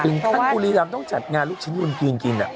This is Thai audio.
ท่านบุรีรำต้องจัดงานลูกชิ้นยืนกิน